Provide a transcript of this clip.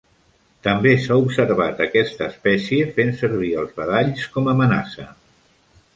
També s'ha observat aquesta espècie fent servir els badalls com a amenaça.